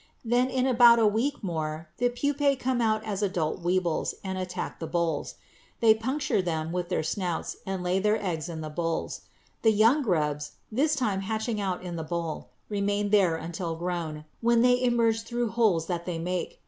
Then in about a week more the pupæ come out as adult weevils and attack the bolls. They puncture them with their snouts and lay their eggs in the bolls. The young grubs, this time hatching out in the boll, remain there until grown, when they emerge through holes that they make.